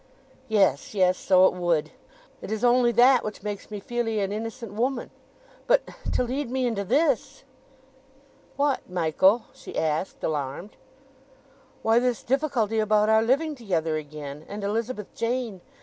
"Yes—yes—so it would. It is only that which makes me feel 'ee an innocent woman. But—to lead me into this!" "What, Michael?" she asked, alarmed. "Why, this difficulty about our living together again, and Elizabeth Jane.